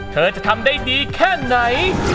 เธอจะทำได้ดีแค่ไหน